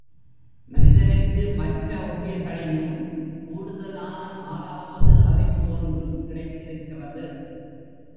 மனிதனுக்கு மற்ற உயிர்களினும் கூடுதலான ஆறாவது அறிவு ஒன்று கிடைத்திருக்கிறது.